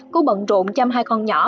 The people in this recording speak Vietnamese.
cô bận rộn chăm hai con nhỏ